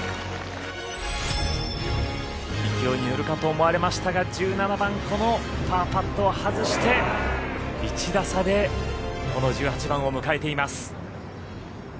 勢いに乗るかと思われましたが１７番このパーパットを外して１打差でこの１８番を迎えています。